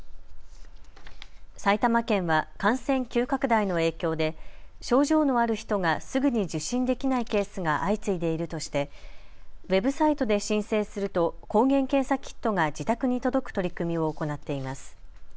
埼玉県は感染急拡大の影響で症状のある人がすぐに受診できないケースが相次いでいるとしてウェブサイトで申請すると抗原検査キットが自宅に届く取り組みを行っています。